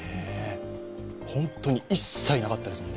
本当に、一切なかったですもんね